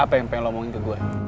apa yang pengen omongin ke gue